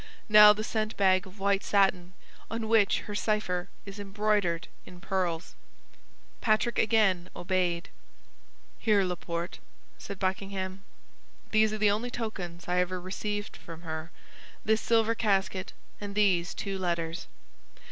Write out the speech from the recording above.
"Now the scent bag of white satin, on which her cipher is embroidered in pearls." Patrick again obeyed. "Here, Laporte," said Buckingham, "these are the only tokens I ever received from her—this silver casket and these two letters.